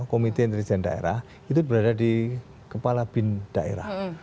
komite intelijen daerah itu berada di kepala bin daerah